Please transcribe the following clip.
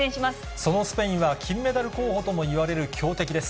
そのスペインは金メダル候補ともいわれる強敵です。